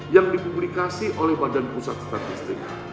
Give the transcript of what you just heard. yang dipublikasi oleh badan pusat statistik